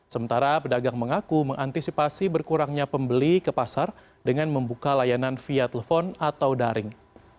sementara pedagang mengaku mengantisipasi berkurangnya pembeli ke pasar dengan membuka layanan via telepon atau daring